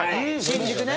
新宿ね。